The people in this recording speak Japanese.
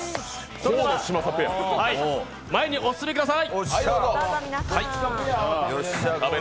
それでは前にお進みください。